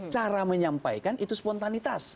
cara menyampaikan itu spontanitas